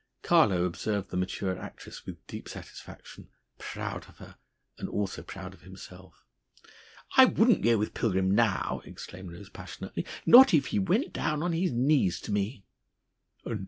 Carlo observed the mature actress with deep satisfaction, proud of her, and proud also of himself. "I wouldn't go with Pilgrim now," exclaimed Rose passionately, "not if he went down on his knees tome!"